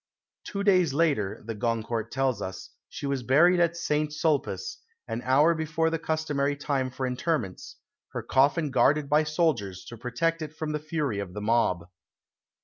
Two days later, de Goncourt tells us, she was buried at Saint Sulpice, an hour before the customary time for interments, her coffin guarded by soldiers, to protect it from the fury of the mob.